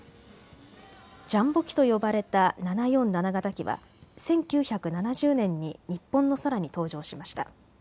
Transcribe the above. ジャンボ機と呼ばれた７４７型機は１９７０年に日本の空に登場しました。